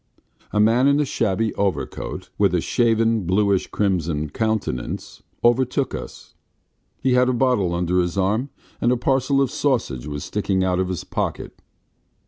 A man in a shabby overcoat, with a shaven, bluish crimson countenance, overtook us. He had a bottle under his arm and a parcel of sausage was sticking out of his pocket.